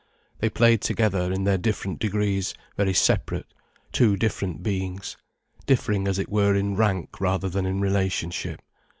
They played together, in their different degrees very separate, two different beings, differing as it were in rank rather than in relationship.